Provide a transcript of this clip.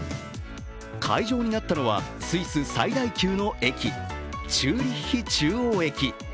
会場になったのはスイス最大級の駅、チューリッヒ中央駅。